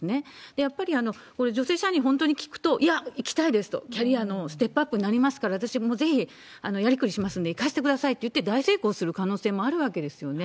やっぱりこれ、女性社員に本当に聞くと、いや、行きたいですと、キャリアのステップアップになりますから、私はぜひやり繰りしますんで、行かしてくださいと言って、大成功する可能性もあるわけですよね。